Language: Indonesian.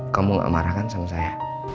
kamu gak marah kan sama saya